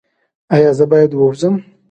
ایا زه باید ووځم؟